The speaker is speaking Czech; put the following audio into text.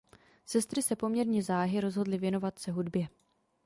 Sestry se poměrně záhy rozhodly věnovat se hudbě.